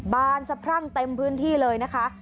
บานสะพรั่งเต็มพื้นที่เลยนะคะ